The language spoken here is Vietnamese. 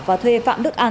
và thuê phạm đức an